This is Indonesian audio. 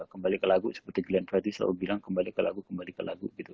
kembali ke lagu seperti glenn freddy selalu bilang kembali ke lagu kembali ke lagu gitu